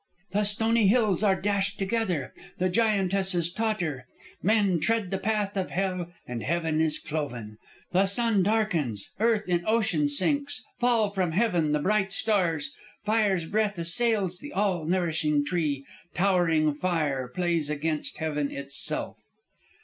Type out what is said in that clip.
"'_The stony hills are dashed together, the giantesses totter; men tread the path of Hel, and heaven is cloven. The sun darkens, earth in ocean sinks, fall from heaven the bright stars, fire's breath assails the all nourishing tree, towering fire plays against heaven itself_.'"